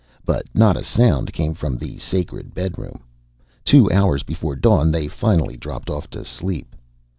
But not a sound came from the sacred bedroom. Two hours before dawn, they finally dropped off to sleep.